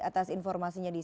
atas informasinya di